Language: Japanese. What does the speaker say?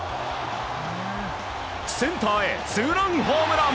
センターへツーランホームラン！